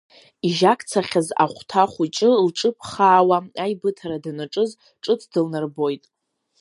Ижьакцахьаз ахәҭа хәыҷы лҿыԥхаауа аибыҭара данаҿыз ҿыц дылнар-боит.